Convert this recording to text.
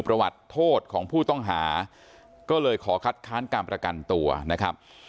ประวัติโทษของผู้ต้องหาก็เลยขอคัดค้านการประกันตัวนะครับ